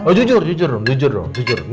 oh jujur dong jujur dong jujur dong